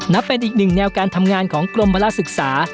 นับเป็นอีกหนึ่งแนวการทำงานของกรมพละศึกษา